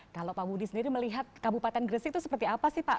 kalau pak budi sendiri melihat kabupaten gresik itu seperti apa sih pak